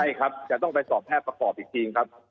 ใช่ครับจะต้องไปสอบแพทย์ประกอบอีกทีครับ